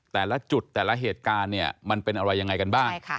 แต่ละจุดแต่ละเหตุการณ์เนี่ยมันเป็นอะไรยังไงกันบ้าง